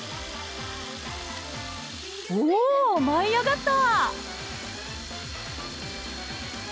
お舞いあがった！